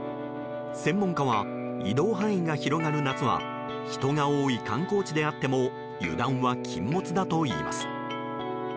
専門家は、移動範囲が広がる夏は人が多い観光地であっても油断は禁物だといいます。